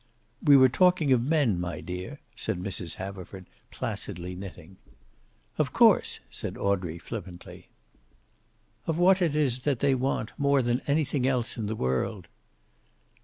"We were talking of men, my dear," said Mrs. Haverford, placidly knitting. "Of course," said Audrey, flippantly. "Of what it is that they want more than anything else in the world."